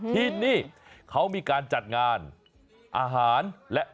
ที่นี่เขามีการจัดงานอาหารและ